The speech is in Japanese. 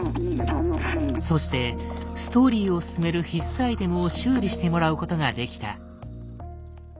そしてストーリーを進める必須アイテムを修理してもらうことができた。